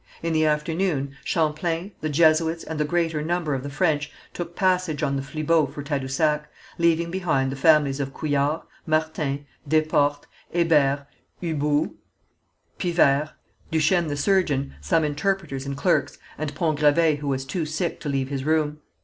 In the afternoon, Champlain, the Jesuits, and the greater number of the French took passage on the Flibot for Tadousac, leaving behind the families of Couillard, Martin, Desportes, Hébert, Hubou, Pivert, Duchesne the surgeon, some interpreters and clerks, and Pont Gravé who was too sick to leave his room.